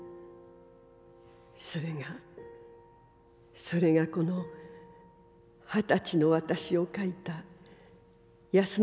それがそれがこの二十歳の私を描いた安典さんの絵でした」。